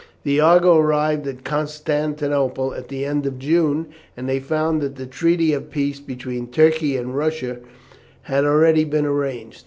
The Argo arrived at Constantinople at the end of June, and they found that the treaty of peace between Turkey and Russia had been already arranged.